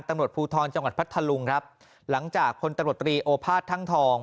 ตำรวจภูทรจังหวัดพัทธลุงครับหลังจากพลตำรวจตรีโอภาษท่างทอง